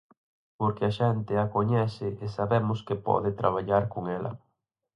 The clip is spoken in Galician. Porque a xente a coñece e sabemos que pode traballar con ela.